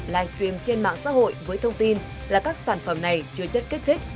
livestream trên mạng xã hội với thông tin là các sản phẩm này chứa chất kích thích